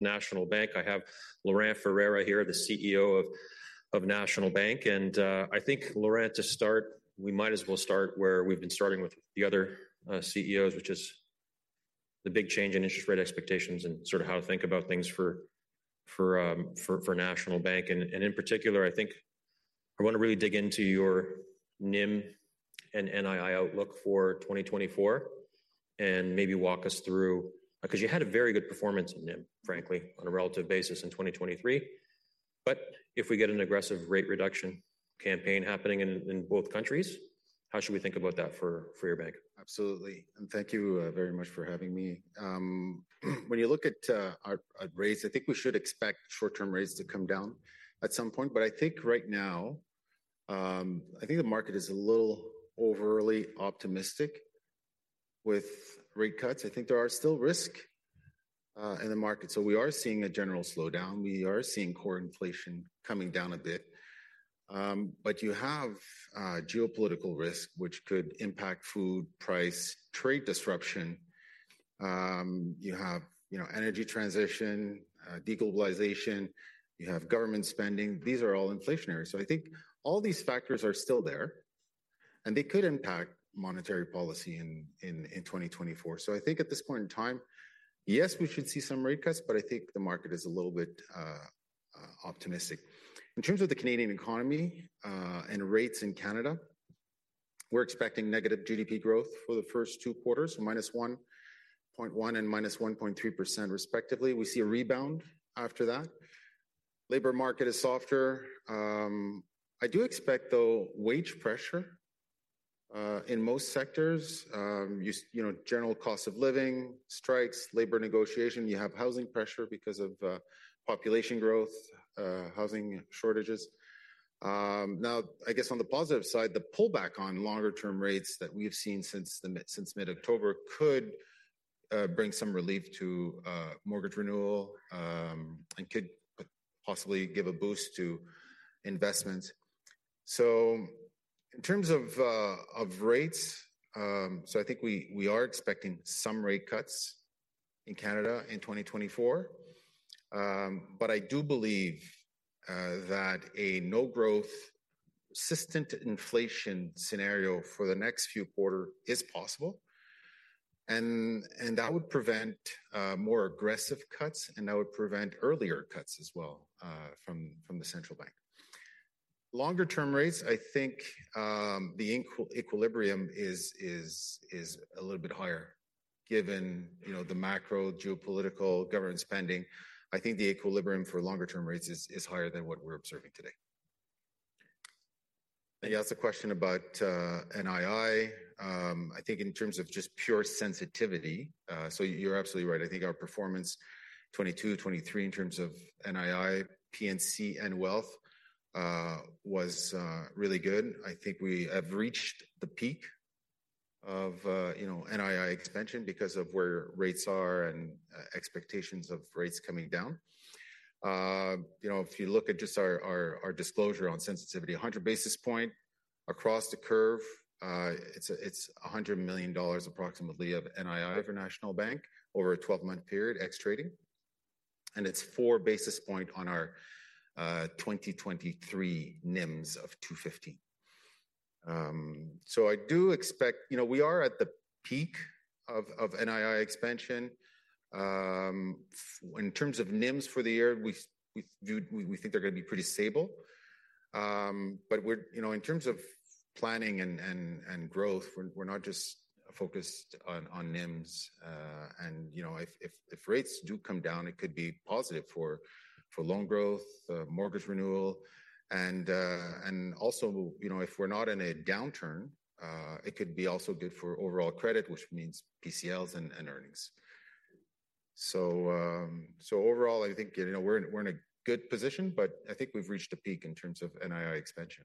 National Bank. I have Laurent Ferreira here, the CEO of National Bank. And I think, Laurent, to start, we might as well start where we've been starting with the other CEOs, which is the big change in interest rate expectations and sort of how to think about things for National Bank. And in particular, I think I wanna really dig into your NIM and NII outlook for 2024, and maybe walk us through. Because you had a very good performance in NIM, frankly, on a relative basis in 2023. But if we get an aggressive rate reduction campaign happening in both countries, how should we think about that for your bank? Absolutely. Thank you very much for having me. When you look at our rates, I think we should expect short-term rates to come down at some point. But I think right now, I think the market is a little overly optimistic with rate cuts. I think there are still risk in the market. So we are seeing a general slowdown. We are seeing core inflation coming down a bit. But you have geopolitical risk, which could impact food price, trade disruption. You have, you know, energy transition, deglobalization, you have government spending. These are all inflationary. So I think all these factors are still there, and they could impact monetary policy in 2024. So I think at this point in time, yes, we should see some rate cuts, but I think the market is a little bit optimistic. In terms of the Canadian economy and rates in Canada, we're expecting negative GDP growth for the first two quarters, -1.1% and -1.3%, respectively. We see a rebound after that. Labor market is softer. I do expect, though, wage pressure in most sectors. You know, general cost of living, strikes, labor negotiation. You have housing pressure because of population growth, housing shortages. Now, I guess on the positive side, the pullback on longer-term rates that we've seen since mid-October could bring some relief to mortgage renewal and could possibly give a boost to investments. So in terms of, of rates, so I think we are expecting some rate cuts in Canada in 2024. But I do believe, that a no-growth, persistent inflation scenario for the next few quarter is possible, and that would prevent, more aggressive cuts, and that would prevent earlier cuts as well, from the central bank. Longer-term rates, I think, the equilibrium is a little bit higher, given, you know, the macro geopolitical government spending. I think the equilibrium for longer-term rates is higher than what we're observing today. You asked a question about, NII. I think in terms of just pure sensitivity, so you're absolutely right. I think our performance, 2022, 2023, in terms of NII, PNC, and wealth, was really good. I think we have reached the peak of, you know, NII expansion because of where rates are and expectations of rates coming down. You know, if you look at just our disclosure on sensitivity, 100 basis points across the curve, it's 100 million dollars approximately of NII for National Bank over a 12-month period, ex trading. And it's four basis points on our 2023 NIMs of 2.50. So I do expect... You know, we are at the peak of NII expansion. In terms of NIMs for the year, we view, we think they're gonna be pretty stable. But we're, you know, in terms of planning and growth, we're not just focused on NIMs. You know, if rates do come down, it could be positive for loan growth, mortgage renewal, and also, you know, if we're not in a downturn, it could be also good for overall credit, which means PCLs and earnings. So, overall, I think, you know, we're in a good position, but I think we've reached a peak in terms of NII expansion.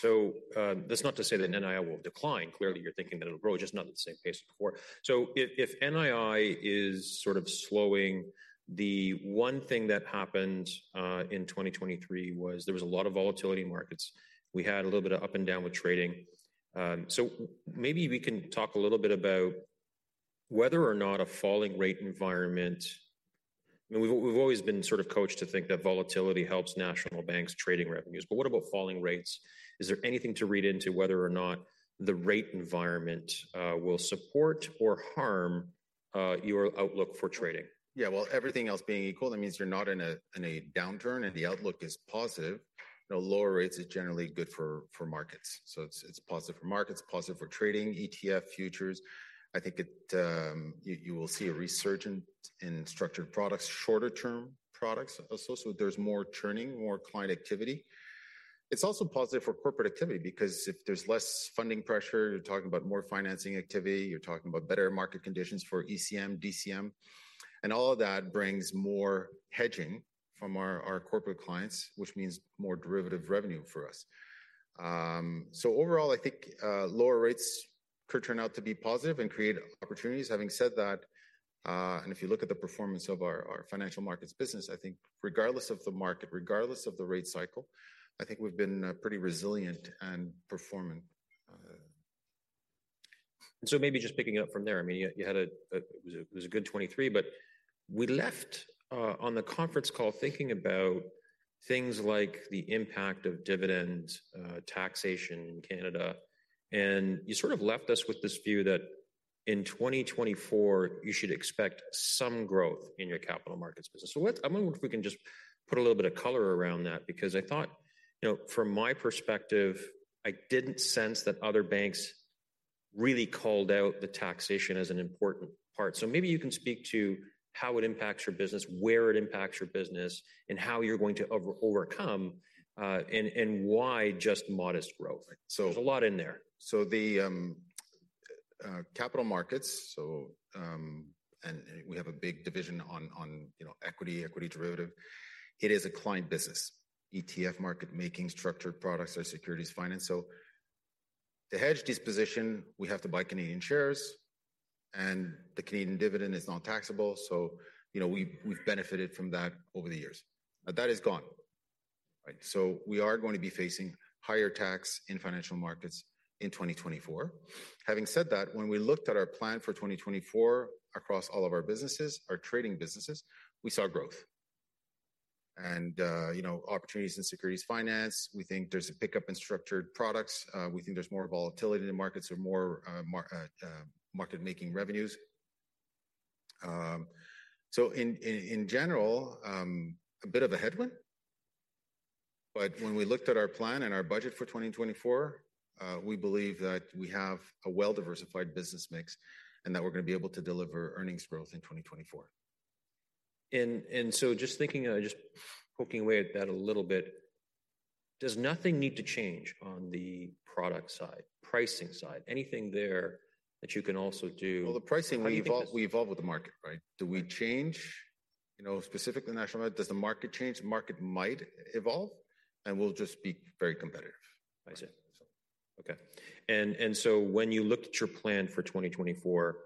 So, that's not to say that NII will decline. Clearly, you're thinking that it'll grow, just not at the same pace as before. So if, if NII is sort of slowing, the one thing that happened in 2023 was there was a lot of volatility in markets. We had a little bit of up and down with trading. So maybe we can talk a little bit about whether or not a falling rate environment... I mean, we've, we've always been sort of coached to think that volatility helps National Bank's trading revenues. But what about falling rates? Is there anything to read into whether or not the rate environment will support or harm your outlook for trading? Yeah, well, everything else being equal, that means you're not in a downturn, and the outlook is positive. You know, lower rates are generally good for markets. So it's positive for markets, positive for trading, ETF, futures. I think it you will see a resurgence in structured products, shorter-term products also. So there's more churning, more client activity. It's also positive for corporate activity because if there's less funding pressure, you're talking about more financing activity, you're talking about better market conditions for ECM, DCM. And all of that brings more hedging from our corporate clients, which means more derivative revenue for us. So overall, I think lower rates could turn out to be positive and create opportunities. Having said that, and if you look at the performance of our, our Financial Markets business, I think regardless of the market, regardless of the rate cycle, I think we've been, pretty resilient and performing.... And so maybe just picking up from there, I mean, you had a, it was a good 2023, but we left on the conference call thinking about things like the impact of dividend taxation in Canada. And you sort of left us with this view that in 2024, you should expect some growth in your capital markets business. So, what? I wonder if we can just put a little bit of color around that, because I thought, you know, from my perspective, I didn't sense that other banks really called out the taxation as an important part. So maybe you can speak to how it impacts your business, where it impacts your business, and how you're going to overcome, and why just modest growth? Right. There's a lot in there. So the capital markets, so, and we have a big division on, on, you know, equity, equity derivative. It is a client business. ETF market making, structured products, our securities finance. So to hedge this position, we have to buy Canadian shares, and the Canadian dividend is non-taxable, so, you know, we've benefited from that over the years. Now, that is gone, right? So we are going to be facing higher tax in financial markets in 2024. Having said that, when we looked at our plan for 2024 across all of our businesses, our trading businesses, we saw growth. And, you know, opportunities in securities finance, we think there's a pickup in structured products. We think there's more volatility in the markets or more market-making revenues. So in general, a bit of a headwind, but when we looked at our plan and our budget for 2024, we believe that we have a well-diversified business mix, and that we're gonna be able to deliver earnings growth in 2024. And so just thinking, just poking away at that a little bit, does nothing need to change on the product side, pricing side? Anything there that you can also do- Well, the pricing, we evolve- How do you think that-... we evolve with the market, right? Right. Do we change, you know, specifically National Bank? Does the market change? The market might evolve, and we'll just be very competitive. I see. So. Okay. And so when you looked at your plan for 2024,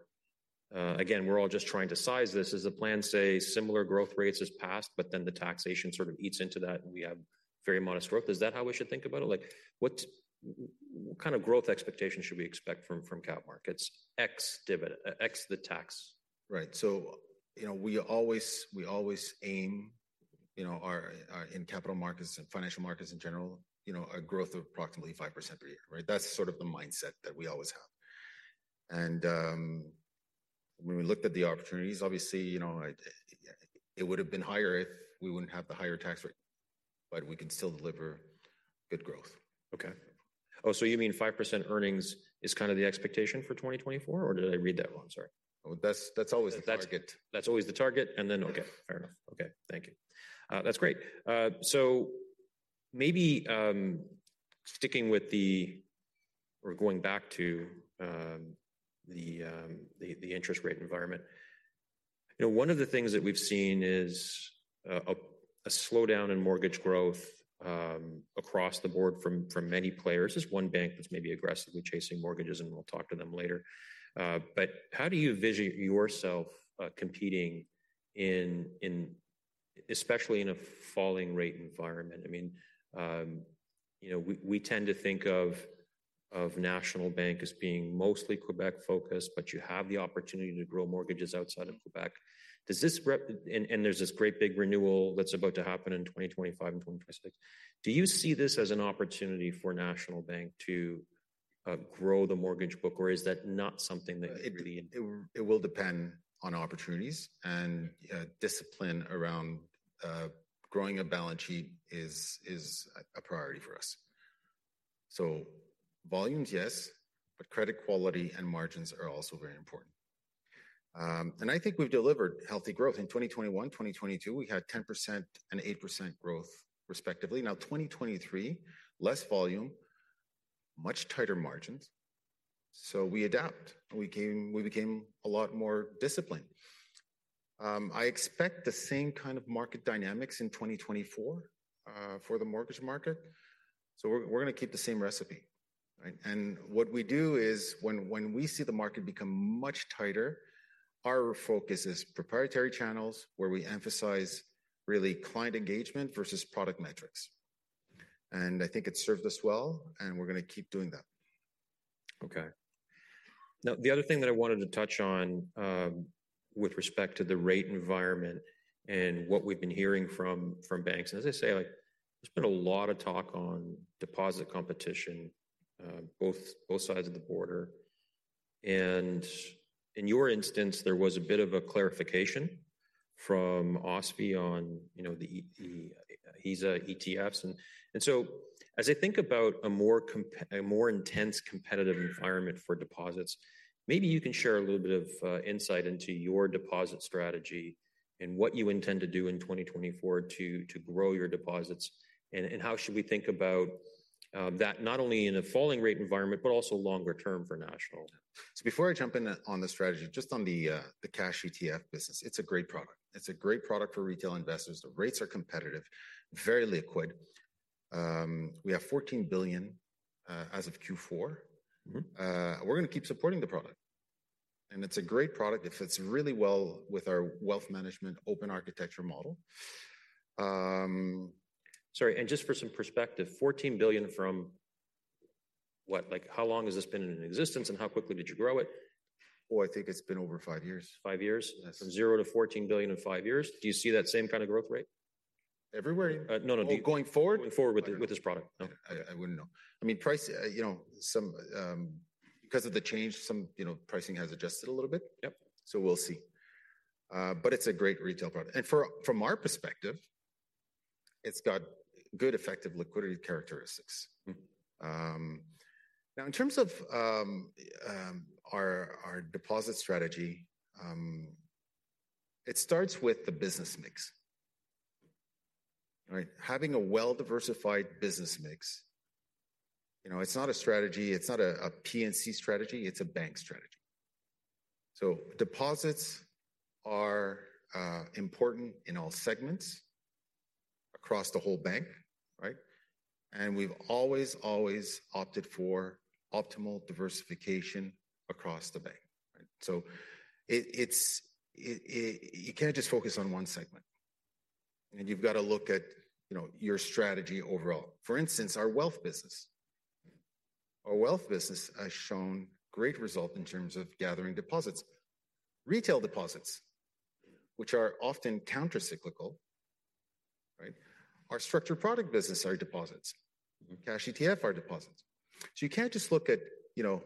again, we're all just trying to size this. Does the plan say similar growth rates as past, but then the taxation sort of eats into that, and we have very modest growth? Is that how we should think about it? Like, what kind of growth expectations should we expect from cap markets, ex-dividend, ex the tax? Right. So, you know, we always, we always aim, you know, our, our in capital markets and financial markets in general, you know, a growth of approximately 5% per year, right? That's sort of the mindset that we always have. And, when we looked at the opportunities, obviously, you know, it, it would have been higher if we wouldn't have the higher tax rate, but we can still deliver good growth. Okay. Oh, so you mean 5% earnings is kind of the expectation for 2024, or did I read that wrong? Sorry. Oh, that's always the target. That's always the target, and then... Okay, fair enough. Okay, thank you. That's great. So maybe sticking with the, or going back to, the interest rate environment. You know, one of the things that we've seen is a slowdown in mortgage growth across the board from many players. Just one bank that's maybe aggressively chasing mortgages, and we'll talk to them later. But how do you envision yourself competing in, especially in a falling rate environment? I mean, you know, we tend to think of National Bank as being mostly Quebec focused, but you have the opportunity to grow mortgages outside of Quebec. Does this? And there's this great big renewal that's about to happen in 2025 and 2026. Do you see this as an opportunity for National Bank to grow the mortgage book, or is that not something that you're really in? It will depend on opportunities, and discipline around growing a balance sheet is a priority for us. So volumes, yes, but credit quality and margins are also very important. And I think we've delivered healthy growth. In 2021, 2022, we had 10% and 8% growth respectively. Now, 2023, less volume, much tighter margins, so we adapt, and we became a lot more disciplined. I expect the same kind of market dynamics in 2024 for the mortgage market, so we're gonna keep the same recipe, right? And what we do is when we see the market become much tighter, our focus is proprietary channels, where we emphasize really client engagement versus product metrics. And I think it's served us well, and we're gonna keep doing that. Okay. Now, the other thing that I wanted to touch on, with respect to the rate environment and what we've been hearing from banks, and as I say, like, there's been a lot of talk on deposit competition, both sides of the border. And in your instance, there was a bit of a clarification from OSFI on, you know, the HISA, ETFs. And so as I think about a more intense competitive environment for deposits, maybe you can share a little bit of insight into your deposit strategy and what you intend to do in 2024 to grow your deposits. And how should we think about that not only in a falling rate environment, but also longer term for National? Before I jump in on the strategy, just on the cash ETF business, it's a great product. It's a great product for retail investors. The rates are competitive, very liquid. We have 14 billion as of Q4. Mm-hmm. We're gonna keep supporting the product.... and it's a great product. It fits really well with our wealth management open architecture model. Sorry, and just for some perspective, 14 billion from what? Like, how long has this been in existence, and how quickly did you grow it? Oh, I think it's been over five years. Five years? Yes. From 0 to 14 billion in five years. Do you see that same kind of growth rate? Everywhere in- No, no, do- Oh, going forward? Going forward with this product. No, I, I wouldn't know. I mean, price, you know, some, because of the change, some, you know, pricing has adjusted a little bit. Yep. So we'll see. But it's a great retail product, and from our perspective, it's got good effective liquidity characteristics. Mm-hmm. Now, in terms of our deposit strategy, it starts with the business mix. Right? Having a well-diversified business mix, you know, it's not a strategy, it's not a PNC strategy, it's a bank strategy. So deposits are important in all segments across the whole bank, right? And we've always opted for optimal diversification across the bank, right? So you can't just focus on one segment, and you've got to look at, you know, your strategy overall. For instance, our wealth business. Our wealth business has shown great result in terms of gathering deposits. Retail deposits, which are often countercyclical, right? Our structured product business are deposits. Cash ETF are deposits. So you can't just look at, you know,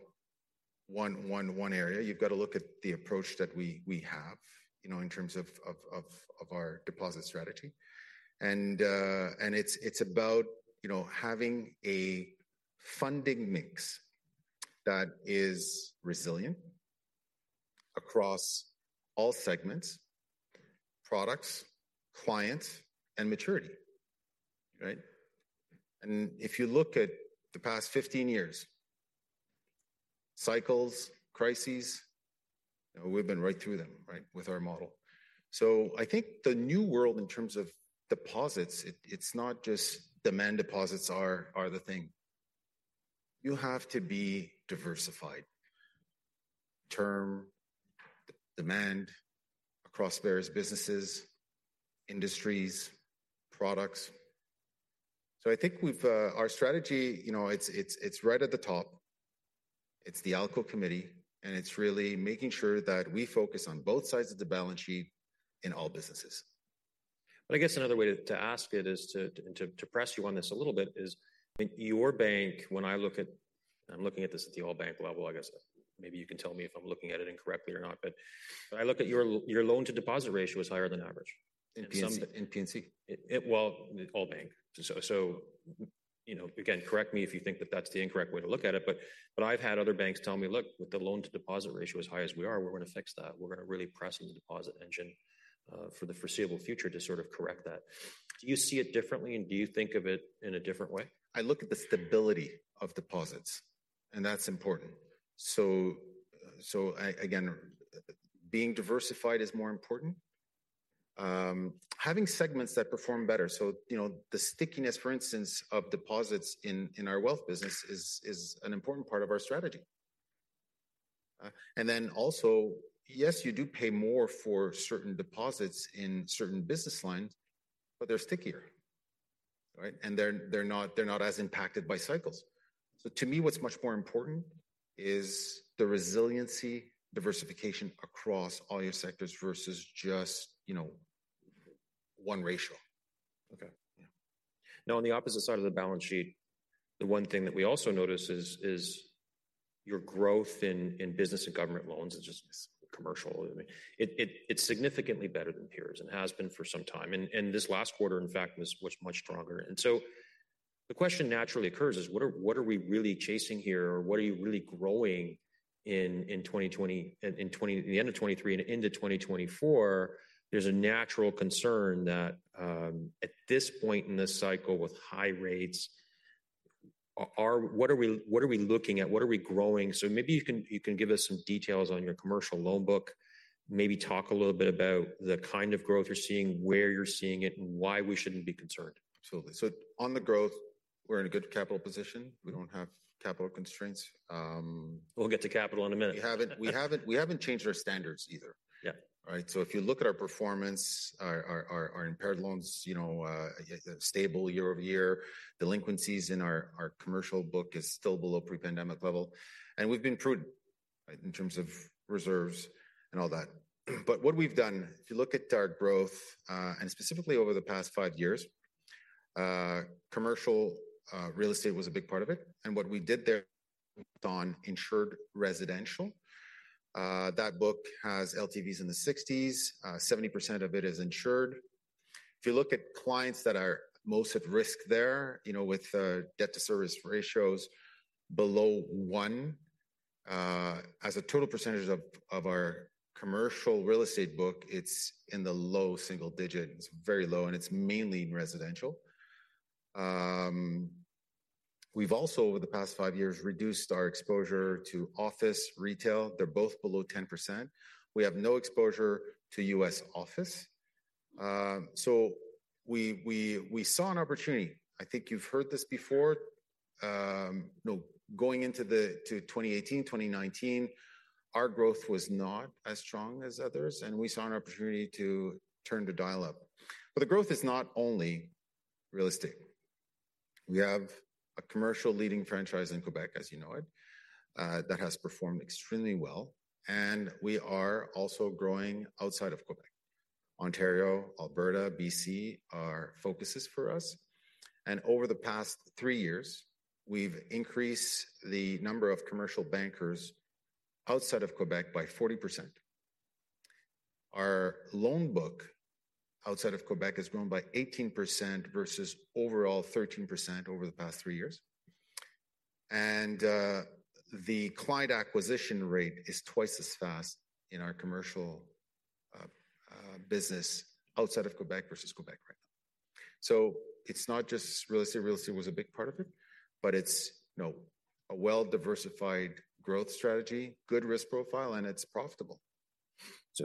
one area. You've got to look at the approach that we have, you know, in terms of our deposit strategy. And it's about, you know, having a funding mix that is resilient across all segments, products, clients, and maturity, right? And if you look at the past 15 years, cycles, crises, we've been right through them, right, with our model. So I think the new world, in terms of deposits, it's not just demand deposits are the thing. You have to be diversified, term, demand across various businesses, industries, products. So I think we've. Our strategy, you know, it's right at the top. It's the ALCO committee, and it's really making sure that we focus on both sides of the balance sheet in all businesses. But I guess another way to ask it is to press you on this a little bit is, in your bank, when I look at—I'm looking at this at the all bank level. I guess maybe you can tell me if I'm looking at it incorrectly or not, but when I look at your loan to deposit ratio is higher than average. In PNC, in PNC? Well, all banks. So, you know, again, correct me if you think that's the incorrect way to look at it, but I've had other banks tell me: "Look, with the loan to deposit ratio as high as we are, we're gonna fix that. We're gonna really press on the deposit engine for the foreseeable future to sort of correct that." Do you see it differently, and do you think of it in a different way? I look at the stability of deposits, and that's important. So again, being diversified is more important. Having segments that perform better, so, you know, the stickiness, for instance, of deposits in our wealth business is an important part of our strategy. And then also, yes, you do pay more for certain deposits in certain business lines, but they're stickier, right? And they're not as impacted by cycles. So to me, what's much more important is the resiliency, diversification across all your sectors versus just, you know, one ratio. Okay. Yeah. Now, on the opposite side of the balance sheet, the one thing that we also notice is your growth in business and government loans is just commercial. It's significantly better than peers and has been for some time. And this last quarter, in fact, was much stronger. So the question naturally occurs: what are we really chasing here, or what are you really growing in 2020, in 2023—the end of 2023 and into 2024? There's a natural concern that at this point in the cycle with high rates, what are we looking at? What are we growing? So maybe you can give us some details on your commercial loan book. Maybe talk a little bit about the kind of growth you're seeing, where you're seeing it, and why we shouldn't be concerned. Absolutely. So on the growth, we're in a good capital position. We don't have capital constraints. We'll get to capital in a minute. We haven't changed our standards either. Yeah. All right? So if you look at our performance, our impaired loans, you know, stable year-over-year. Delinquencies in our commercial book is still below pre-pandemic level, and we've been prudent, right, in terms of reserves and all that. But what we've done, if you look at our growth, and specifically over the past 5 years, commercial real estate was a big part of it, and what we did there on insured residential, that book has LTVs in the 60s. Seventy percent of it is insured. If you look at clients that are most at risk there, you know, with debt to service ratios below 1, as a total percentage of our commercial real estate book, it's in the low single digits, very low, and it's mainly in residential. We've also, over the past five years, reduced our exposure to office retail. They're both below 10%. We have no exposure to U.S. office. So we saw an opportunity. I think you've heard this before. You know, going into 2018, 2019, our growth was not as strong as others, and we saw an opportunity to turn the dial up. But the growth is not only real estate. We have a commercial leading franchise in Quebec, as you know it, that has performed extremely well, and we are also growing outside of Quebec. Ontario, Alberta, BC, are focuses for us, and over the past three years, we've increased the number of commercial bankers outside of Quebec by 40%. Our loan book outside of Quebec has grown by 18% versus overall 13% over the past three years. The client acquisition rate is twice as fast in our commercial business outside of Quebec versus Quebec right now. So it's not just real estate. Real estate was a big part of it, but it's, you know, a well-diversified growth strategy, good risk profile, and it's profitable.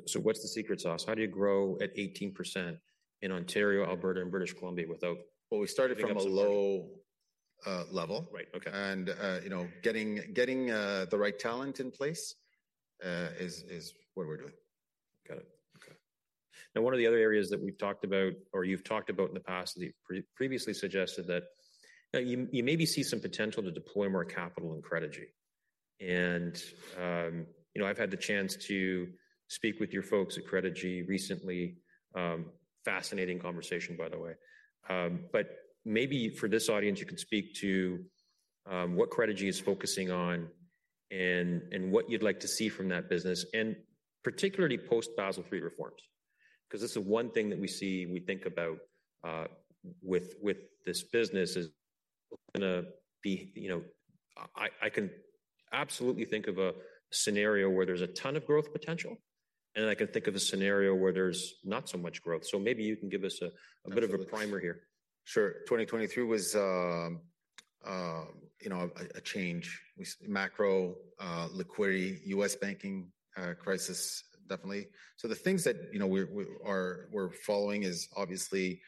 So, what's the secret sauce? How do you grow at 18% in Ontario, Alberta, and British Columbia without- Well, we started from a low level. Right. Okay. You know, getting the right talent in place is what we're doing. Got it. Okay. Now, one of the other areas that we've talked about, or you've talked about in the past, that you've previously suggested that, you, you maybe see some potential to deploy more capital in Credigy. And, you know, I've had the chance to speak with your folks at Credigy recently. Fascinating conversation, by the way. But maybe for this audience, you could speak to, what Credigy is focusing on and, and what you'd like to see from that business, and particularly post Basel III reforms. 'Cause it's the one thing that we see, we think about, with, with this business is gonna be... You know, I, I can absolutely think of a scenario where there's a ton of growth potential, and I can think of a scenario where there's not so much growth. So maybe you can give us a- Absolutely... a bit of a primer here. Sure. 2023 was, you know, a change. We macro liquidity U.S. banking crisis, definitely. So the things that, you know, we're following is obviously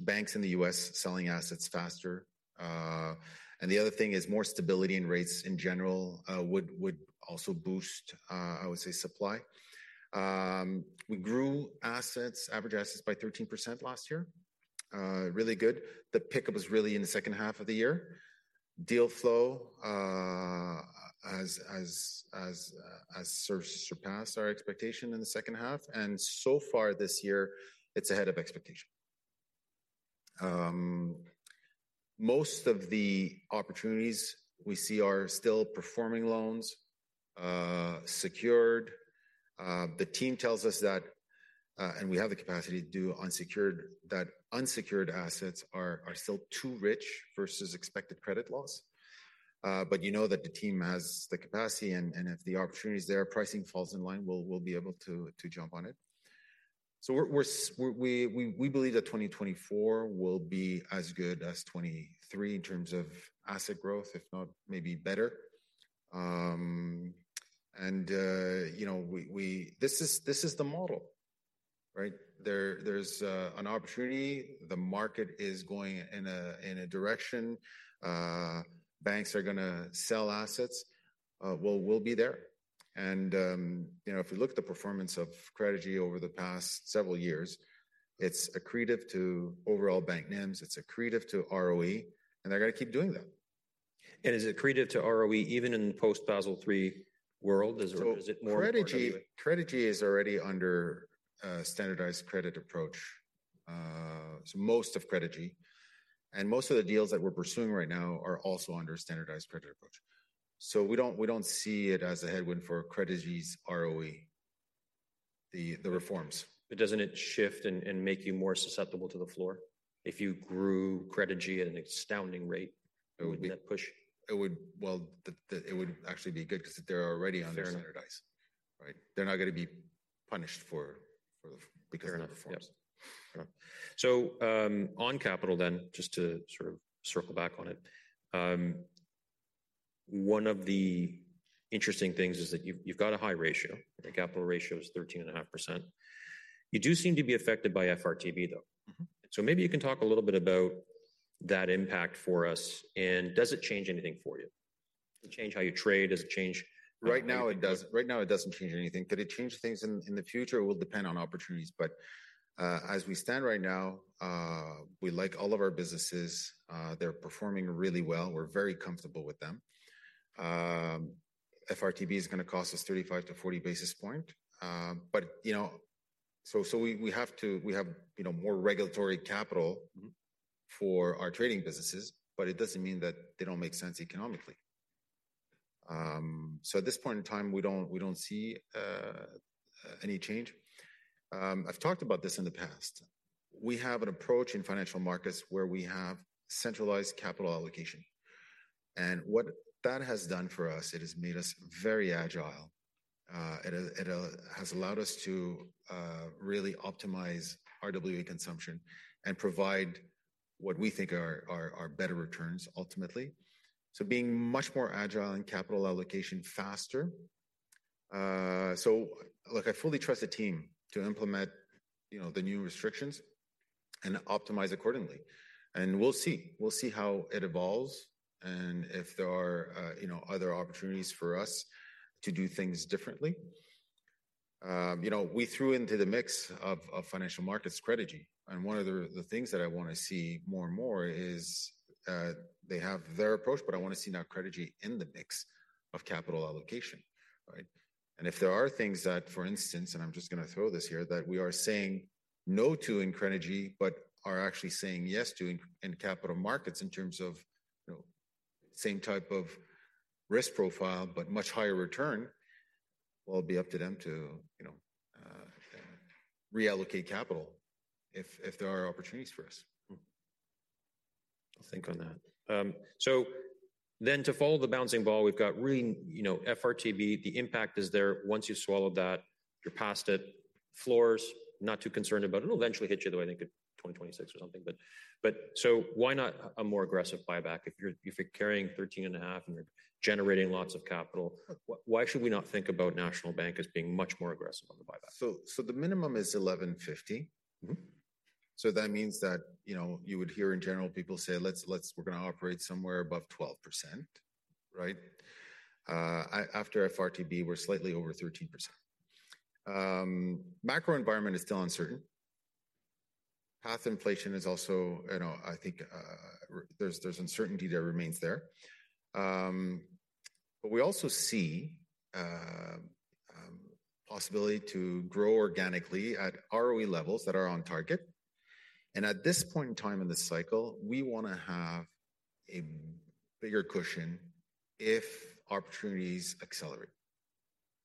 banks in the U.S. selling assets faster. And the other thing is more stability in rates in general would also boost, I would say, supply. We grew assets, average assets by 13% last year. Really good. The pickup was really in the second half of the year. Deal flow as surpassed our expectation in the second half, and so far this year, it's ahead of expectation. Most of the opportunities we see are still performing loans, secured. The team tells us that and we have the capacity to do unsecured, that unsecured assets are still too rich versus expected credit loss. But you know that the team has the capacity, and if the opportunity is there, pricing falls in line, we'll be able to jump on it. So we believe that 2024 will be as good as 2023 in terms of asset growth, if not maybe better. And you know... This is the model, right? There's an opportunity. The market is going in a direction. Banks are gonna sell assets. We'll be there, and you know, if you look at the performance of Credigy over the past several years, it's accretive to overall bank NIMs, it's accretive to ROE, and they're gonna keep doing that. Is accretive to ROE even in the post-Basel III world? Is it, is it more important to it? So Credigy, Credigy is already under standardized credit approach. So most of Credigy and most of the deals that we're pursuing right now are also under a standardized credit approach. So we don't, we don't see it as a headwind for Credigy's ROE, the reforms. But doesn't it shift and make you more susceptible to the floor if you grew Credigy at an astounding rate- It would be-... wouldn't that push? It would... Well, it would actually be good 'cause they're already under- Fair enough... standardized, right? They're not gonna be punished for the- Fair enough... because of the reforms. Yep. Got it. So, on capital then, just to sort of circle back on it, one of the interesting things is that you've, you've got a high ratio. Mm-hmm. The capital ratio is 13.5%. You do seem to be affected by FRTB, though. Mm-hmm. So maybe you can talk a little bit about that impact for us, and does it change anything for you? Does it change how you trade? Does it change- Right now, it doesn't. Right now, it doesn't change anything. Could it change things in the future? Will depend on opportunities. But as we stand right now, we like all of our businesses, they're performing really well. We're very comfortable with them. FRTB is gonna cost us 35-40 basis points. But you know, so we have to- we have, you know, more regulatory capital- Mm-hmm ... for our trading businesses, but it doesn't mean that they don't make sense economically. So at this point in time, we don't, we don't see any change. I've talked about this in the past. We have an approach in financial markets where we have centralized capital allocation, and what that has done for us, it has made us very agile. It has allowed us to really optimize RWA consumption and provide what we think are better returns ultimately. So being much more agile in capital allocation faster. So look, I fully trust the team to implement, you know, the new restrictions and optimize accordingly. And we'll see. We'll see how it evolves, and if there are, you know, other opportunities for us to do things differently. You know, we threw into the mix of Financial Markets Credigy, and one of the things that I want to see more and more is they have their approach, but I want to see now Credigy in the mix of capital allocation, right? And if there are things that, for instance, and I'm just gonna throw this here, that we are saying no to in Credigy, but are actually saying yes to in capital markets in terms of, you know, same type of risk profile, but much higher return, well, it'll be up to them to, you know, reallocate capital if there are opportunities for us. Hmm. I'll think on that. So then to follow the bouncing ball, we've got really, you know, FRTB, the impact is there. Once you've swallowed that, you're past it. Floors, not too concerned about. It'll eventually hit you, the way I think in 2026 or something, but so why not a more aggressive buyback? If you're carrying 13.5 and you're generating lots of capital- Sure. Why should we not think about National Bank as being much more aggressive on the buyback? So the minimum is 11.50%. Mm-hmm. So that means that, you know, you would hear in general, people say, "Let's, let's-- we're gonna operate somewhere above 12%," right? After FRTB, we're slightly over 13%. Macro environment is still uncertain. Path inflation is also, you know, I think, there's uncertainty that remains there. But we also see possibility to grow organically at ROE levels that are on target, and at this point in time in this cycle, we wanna have a bigger cushion if opportunities accelerate.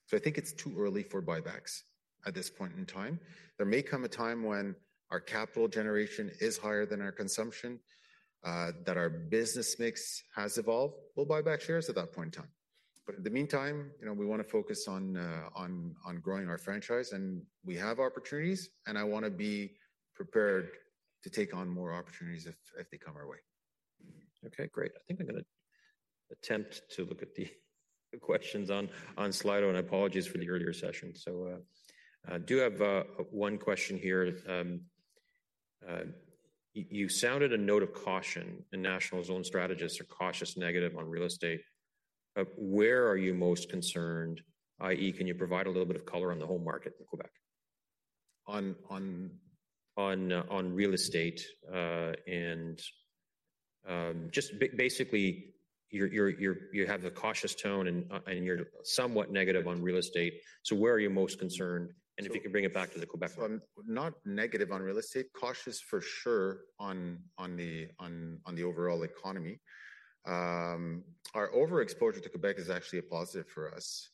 So I think it's too early for buybacks at this point in time. There may come a time when our capital generation is higher than our consumption, that our business mix has evolved. We'll buy back shares at that point in time. In the meantime, you know, we wanna focus on growing our franchise, and we have opportunities, and I want to be prepared to take on more opportunities if they come our way. Mm-hmm. Okay, great. I think I'm gonna attempt to look at the questions on Slido, and apologies for the earlier session. So, I do have one question here. You sounded a note of caution, and National's own strategists are cautious negative on real estate. Where are you most concerned, i.e., can you provide a little bit of color on the home market in Quebec? On real estate, and- Just basically, you have a cautious tone and you're somewhat negative on real estate. So where are you most concerned? So- If you can bring it back to the Quebec part. So I'm not negative on real estate. Cautious for sure on the overall economy. Our overexposure to Quebec is actually a positive for us.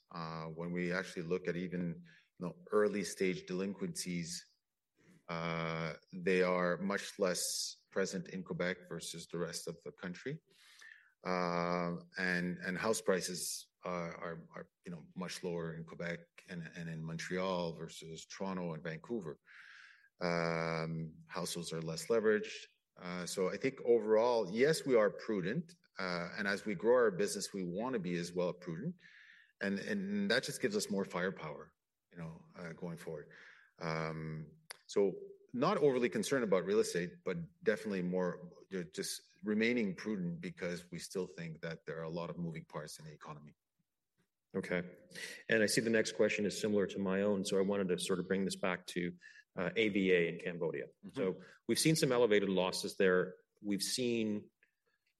When we actually look at even, you know, early-stage delinquencies, they are much less present in Quebec versus the rest of the country. House prices are, you know, much lower in Quebec and in Montreal versus Toronto and Vancouver. Households are less leveraged, so I think overall, yes, we are prudent, and as we grow our business, we want to be as well prudent, and that just gives us more firepower, you know, going forward. So not overly concerned about real estate, but definitely just remaining prudent because we still think that there are a lot of moving parts in the economy. Okay, and I see the next question is similar to my own, so I wanted to sort of bring this back to ABA in Cambodia. Mm-hmm. So we've seen some elevated losses there. We've seen...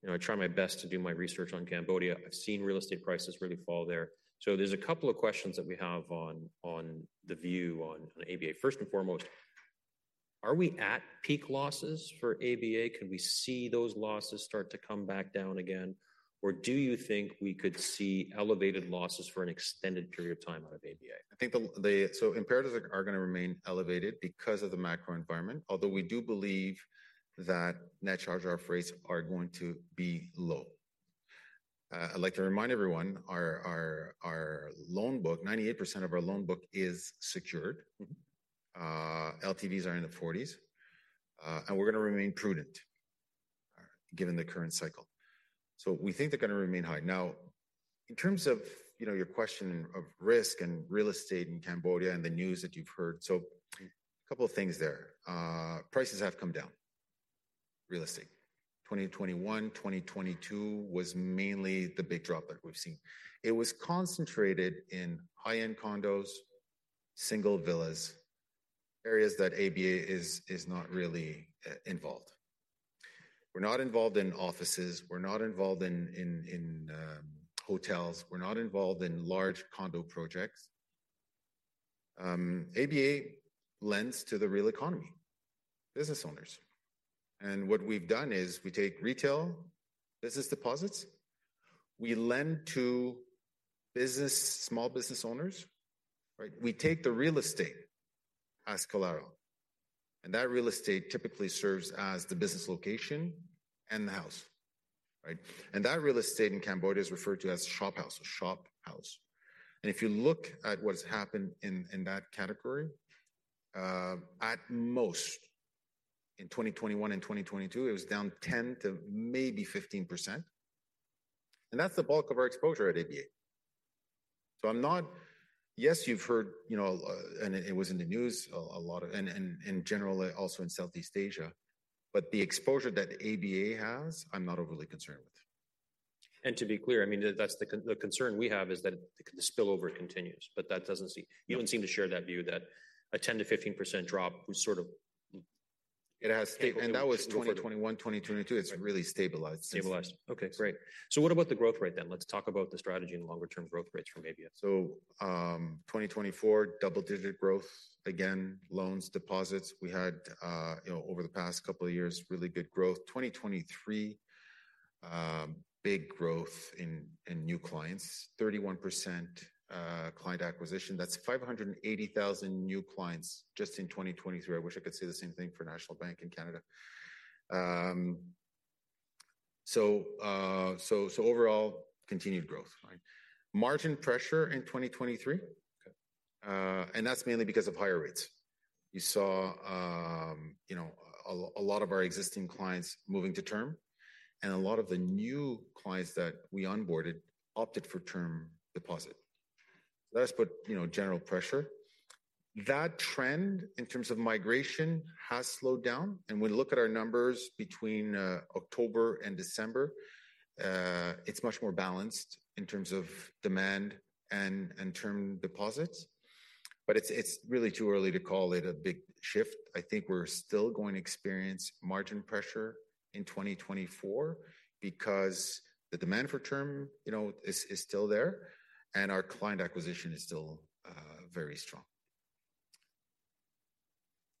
You know, I try my best to do my research on Cambodia. I've seen real estate prices really fall there. So there's a couple of questions that we have on the view on ABA. First and foremost, are we at peak losses for ABA? Could we see those losses start to come back down again, or do you think we could see elevated losses for an extended period of time out of ABA? I think the impairments are gonna remain elevated because of the macro environment. Although we do believe that net charge-off rates are going to be low. I'd like to remind everyone, our loan book, 98% of our loan book is secured. Mm-hmm. LTVs are in the forties, and we're gonna remain prudent, given the current cycle. So we think they're gonna remain high. Now, in terms of, you know, your question of risk and real estate in Cambodia and the news that you've heard, so couple of things there. Prices have come down, real estate. 2021, 2022 was mainly the big drop that we've seen. It was concentrated in high-end condos, single villas, areas that ABA is not really involved. We're not involved in offices. We're not involved in hotels. We're not involved in large condo projects. ABA lends to the real economy, business owners, and what we've done is we take retail business deposits. We lend to business, small business owners, right? We take the real estate as collateral, and that real estate typically serves as the business location and the house. Right? And that real estate in Cambodia is referred to as a shophouse, a shophouse. And if you look at what's happened in that category, at most, in 2021 and 2022, it was down 10% to maybe 15%, and that's the bulk of our exposure at ABA. So I'm not. Yes, you've heard, you know, and it was in the news a lot, and generally also in Southeast Asia, but the exposure that ABA has, I'm not overly concerned with. To be clear, I mean, that's the concern we have is that the spillover continues, but that doesn't seem- Mm-hmm. You don't seem to share that view, that a 10%-15% drop was sort of- It has sta- Okay. That was 2021, 2022. Right. It's really stabilized since. Stabilized. Okay, great. So what about the growth rate then? Let's talk about the strategy and longer-term growth rates for ABA. So, 2024, double-digit growth. Again, loans, deposits, we had, you know, over the past couple of years, really good growth. 2023, big growth in new clients. 31%, client acquisition, that's 580,000 new clients just in 2023. I wish I could say the same thing for National Bank in Canada. So, overall, continued growth, right? Margin pressure in 2023. Okay. And that's mainly because of higher rates. You saw, you know, a lot of our existing clients moving to term, and a lot of the new clients that we onboarded opted for term deposit. That has put, you know, general pressure. That trend, in terms of migration, has slowed down, and when we look at our numbers between October and December, it's much more balanced in terms of demand and term deposits, but it's really too early to call it a big shift. I think we're still going to experience margin pressure in 2024 because the demand for term, you know, is still there, and our client acquisition is still very strong.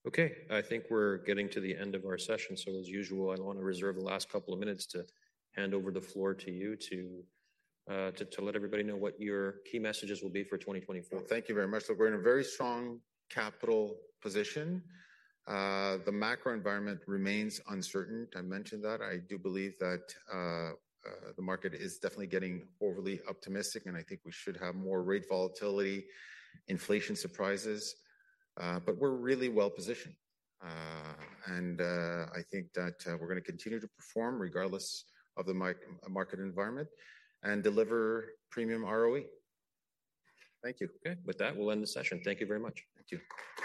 Okay, I think we're getting to the end of our session. So as usual, I want to reserve the last couple of minutes to hand over the floor to you to let everybody know what your key messages will be for 2024. Thank you very much. Look, we're in a very strong capital position. The macro environment remains uncertain. I mentioned that. I do believe that the market is definitely getting overly optimistic, and I think we should have more rate volatility, inflation surprises, but we're really well-positioned. And I think that we're going to continue to perform regardless of the market environment and deliver premium ROE. Thank you. Okay. With that, we'll end the session. Thank you very much. Thank you.